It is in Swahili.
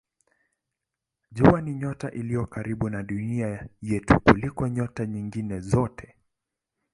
Jua ni nyota iliyo karibu na Dunia yetu kuliko nyota nyingine zote.